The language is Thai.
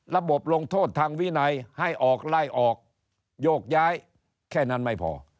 ลงโทษทางวินัยให้ออกไล่ออกโยกย้ายแค่นั้นไม่พอ